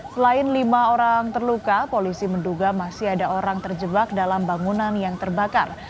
selain lima orang terluka polisi menduga masih ada orang terjebak dalam bangunan yang terbakar